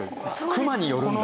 クマによるんだ。